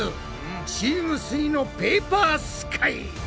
チームすイのペーパースカイ！